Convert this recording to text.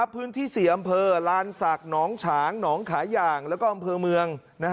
พื้นที่๔อำเภอลานศักดิ์หนองฉางหนองขาย่างแล้วก็อำเภอเมือง